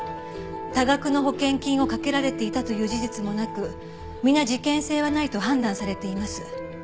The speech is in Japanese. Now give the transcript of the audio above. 多額の保険金を掛けられていたという事実もなく皆事件性はないと判断されています。